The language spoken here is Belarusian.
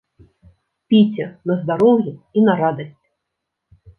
Піце на здароўе і на радасць!